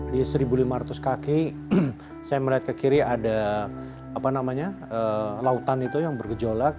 di satu lima ratus kaki saya melihat ke kiri ada lautan itu yang bergejolak